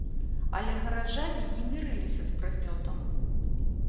Але гараджане не мірыліся з прыгнётам.